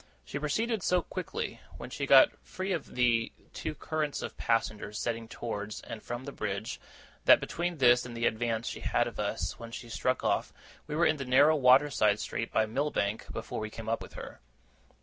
She proceeded so quickly, when she got free of the two currents of passengers setting towards and from the bridge, that, between this and the advance she had of us when she struck off, we were in the narrow water side street by Millbank before we came up with her.